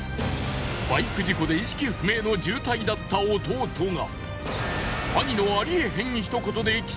バイク事故で意識不明の重体だった弟が。